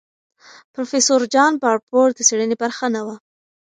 پروفیسور جان باربور د څېړنې برخه نه وه.